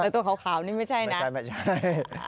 ตัวขาวนี่ไม่ใช่นะไม่ใช่